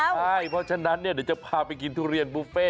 ใช่เพราะฉะนั้นเดี๋ยวจะพาไปกินทุเรียนบุฟเฟ่